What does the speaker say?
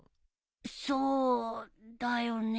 そうだよね。